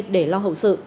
để lo hậu sự